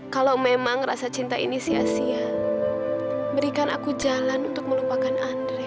kalau memang rasa cinta ini sia sia berikan aku jalan untuk melupakan andre